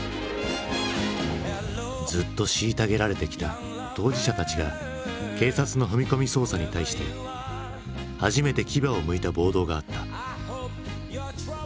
ずっと虐げられてきた当事者たちが警察の踏み込み捜査に対して初めて牙をむいた暴動があった。